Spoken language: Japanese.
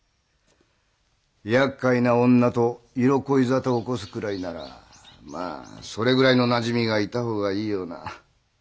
厄介な女と色恋沙汰を起こすくらいならまあそれくらいのなじみがいたほうがいいような。